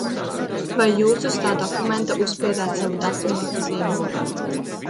Vai jūs uz tā dokumenta uzspiedāt savu datuma zīmogu?